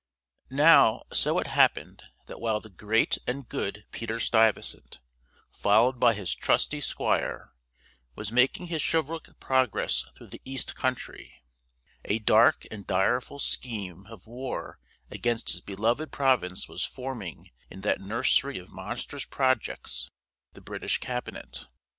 Now so it happened, that while the great and good Peter Stuyvesant, followed by his trusty squire, was making his chivalric progress through the east country, a dark and direful scheme of war against his beloved province was forming in that nursery of monstrous projects, the British Cabinet.